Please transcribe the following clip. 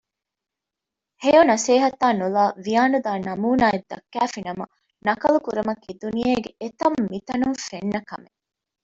ހެޔޮ ނަސޭހަތާ ނުލައި ވިޔާނުދާ ނަމޫނާއެއް ދައްކައިފިނަމަ ނަކަލު ކުރުމަކީ ދުނިޔޭގެ އެތަންމިތަނުން ފެންނަ ކަމެއް